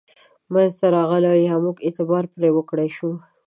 منځته راغلي او یا موږ اعتبار پرې وکړای شو.